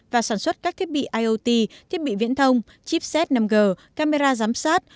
và sản xuất các thiết bị iot thiết bị viễn thông chipset năm g camera giám sát